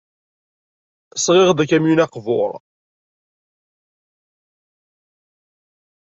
Sɣiɣ-d akamyun aqbur.